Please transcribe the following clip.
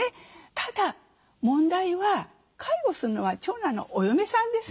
ただ問題は介護するのは長男のお嫁さんですよね。